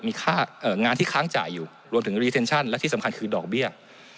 มีค่างานที่ค้างจ่ายอยู่รวมถึงรีเทนชั่นและที่สำคัญคือดอกเบี้ย